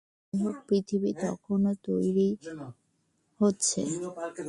যাহোক পৃথিবী তখনও তৈরি হচ্ছে।